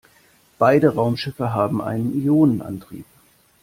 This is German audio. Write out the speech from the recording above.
Beide Raumschiffe haben einen Ionenantrieb.